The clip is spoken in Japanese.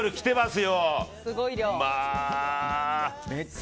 すごい量。